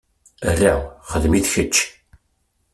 Aṛṛa xdem-it kečč!